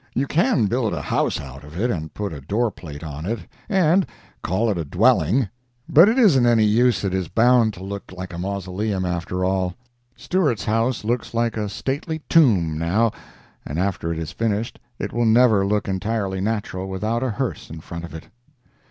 You can build a house out of it, and put a door plate on it, and call it a dwelling, but it isn't any use, it is bound to look like a mausoleum, after all. Stewart's house looks like a stately tomb, now, and after it is finished it will never look entirely natural without a hearse in front of it.